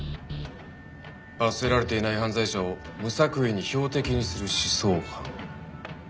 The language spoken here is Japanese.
罰せられていない犯罪者を無作為に標的にする思想犯。